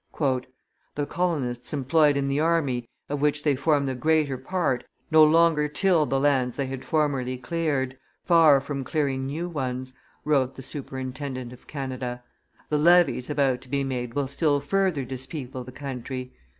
"The colonists employed in the army, of which they form the greater part, no longer till the lands they had formerly cleared, far from clearing new ones," wrote the superintendent of Canada; "the levies about to be made will still further dispeople the country.